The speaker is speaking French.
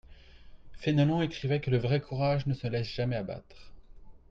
Fénelon écrivait que le vrai courage ne se laisse jamais abattre.